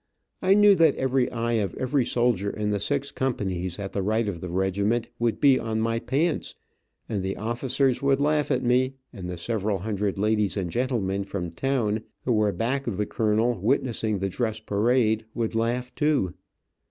I knew that every eye of every soldier in the six companies at the right of the regiment, would be on my pants, and the officers would laugh at me, and the several hundred ladies and gentlemen from town, who were back of the colonel, witnessing the dress parade, would laugh, too.